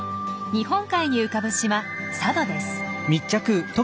日本海に浮かぶ島佐渡です。